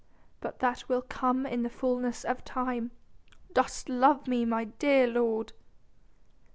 But that will come in the fullness of time. Dost love me, my dear lord?"